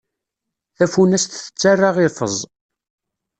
Tafunast tettarra ifeẓ.